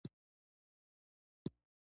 د ډيرو سپين ږيرو ځنګنونه درد کوي.